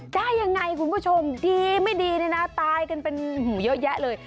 ได้ยังไงคุณผู้ชมดีไม่ดีเนี่ยนะตายกันเป็นหูเยอะแยะเลย